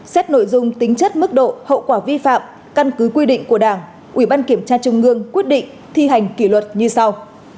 xét nội dung tính chất mức độ hậu quả vi phạm căn cứ quy định của đảng ủy ban kiểm tra trung ương quyết định thi hành kỷ luật như sau